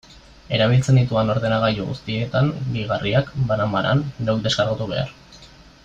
Erabiltzen ditudan ordenagailu guztietan gehigarriak, banan-banan, neuk deskargatu behar.